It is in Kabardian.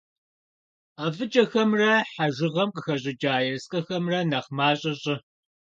ӀэфӀыкӀэхэмрэ хьэжыгъэм къыхэщӀыкӀа ерыскъыхэмрэ нэхъ мащӀэ щӀы.